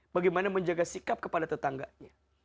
bagaimana menjaga sikap kepada tetangganya